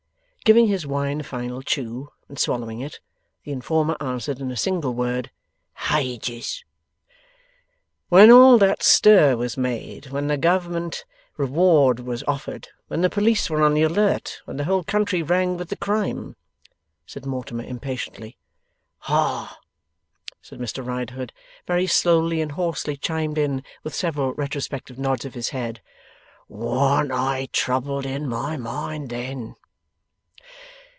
Giving his wine a final chew, and swallowing it, the informer answered in a single word: 'Hages!' 'When all that stir was made, when the Government reward was offered, when the police were on the alert, when the whole country rang with the crime!' said Mortimer, impatiently. 'Hah!' Mr Riderhood very slowly and hoarsely chimed in, with several retrospective nods of his head. 'Warn't I troubled in my mind then!